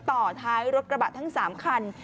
ต่อท้ายรถกระบะทั้ง๓คัน